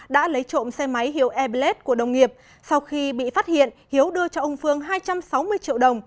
đã lấy trộm xe máy hiếu airblade của đồng nghiệp sau khi bị phát hiện hiếu đưa cho ông phương hai trăm sáu mươi triệu đồng